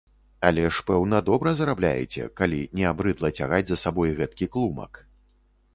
Але ж, пэўна, добра зарабляеце, калі не абрыдла цягаць за сабой гэткі клумак.